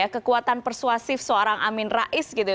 kekuatan persuasif seorang amin rais gitu ya